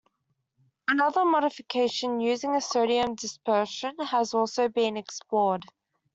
Another modification using a sodium dispersion has also been explored.